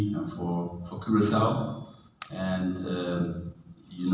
dan kita melakukan satu lima hari untuk datang ke sini